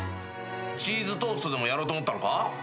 チーズトーストでもやろうと思ったのか？